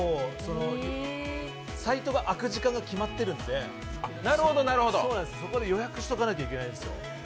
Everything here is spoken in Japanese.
サイトが開く時間が決まってるんで、そこで予約しておかないといけないんですよ。